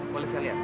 boleh saya lihat